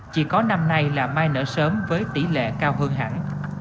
chỉ có năm nay là mai nở sớm với tỷ lệ cao hơn hẳn